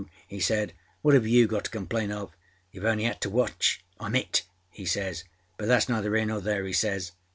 â he said. âWhat have you got to complain of?âyouâve only âad to watch. Iâm it,â he says, âbut thatâs neither here nor there,â he says.